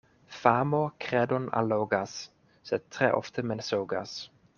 Famo kredon allogas, sed tre ofte mensogas.